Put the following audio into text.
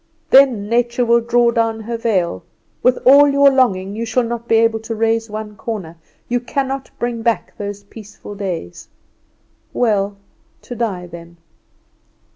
Then Nature will draw down her veil; with all your longing you shall not be able to raise one corner; you cannot bring back those peaceful days. Well to die then!